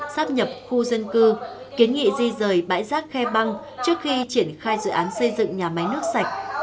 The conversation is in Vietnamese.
sắp nhập khu dân cư kiến nghị di rời bãi rác khe băng trước khi triển khai dự án xây dựng nhà máy nước sạch